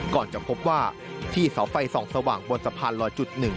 ก่อนจะพบว่าที่เสาไฟส่องสว่างบนสะพานลอยจุด๑